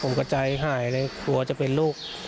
ผมก็ใจหายเลยกลัวจะเป็นลูก